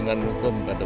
proses hukum yang ada